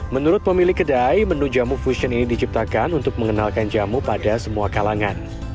menurut pemilik kedai menu jamu fusion ini diciptakan untuk mengenalkan jamu pada semua kalangan